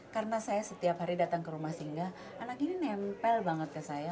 karena saya setiap hari datang ke rumah singgah anak ini nempel banget ke saya